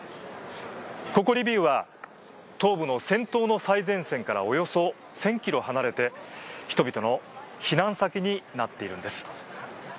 ここリビウは東部の戦闘の最前線からおよそ１０００ｋｍ離れて人々の避難先になっているんです。